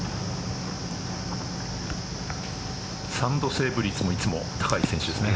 サンドセーブ率もいつも高い選手ですね。